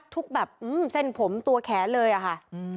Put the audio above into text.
ทุกแบบเส้นผมตัวแขนเลยอะค่ะ